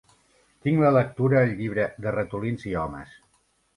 Tinc la lectura el llibre, de ratolins i homes.